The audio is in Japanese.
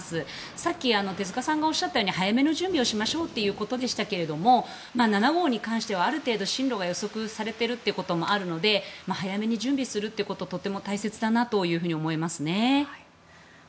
さっき、手塚さんがおっしゃったように早めの準備をしましょうということでしたが７号に関してはある程度、進路が予測されていることもあるので早めに準備するということはとても大切だなと思いますね。